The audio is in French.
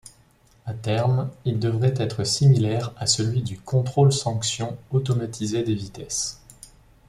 À terme, il devrait être similaire à celui du contrôle-sanction automatisé des vitesses.